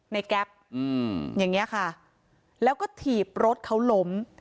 แก๊ปอย่างเงี้ยค่ะแล้วก็ถีบรถเขาล้ม